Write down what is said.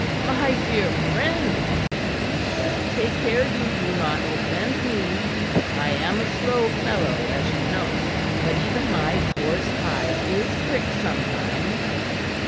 "My dear friend," he said, "take care you do not offend me. I am a slow fellow, as you know; but even my coarse hide is pricked sometimes.